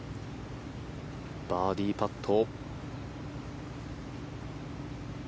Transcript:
バーディーパット。